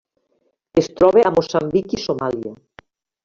Es troba a Moçambic i Somàlia.